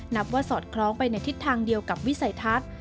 นับว่าสอดคล้องไปในทิศทางเดียวกับวิสัยทัศน์